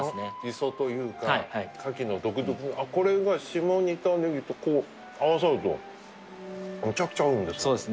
磯というかカキの独特これが下仁田ネギと合わさるとむちゃくちゃ合うんですね